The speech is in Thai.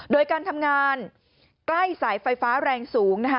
โดยการทำงานใกล้สายไฟฟ้าแรงสูงนะคะ